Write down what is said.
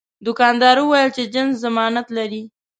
دوکاندار وویل چې جنس ضمانت لري.